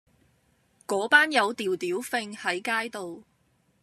嗰班友吊吊揈喺街度